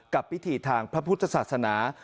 กับพิธีทางพระพุทธศาสนา